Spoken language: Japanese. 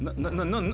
何？